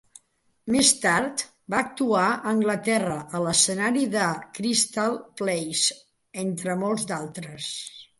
Més tard va actuar a Anglaterra, a l'escenari del The Crystal Palace, entre molts d'altres.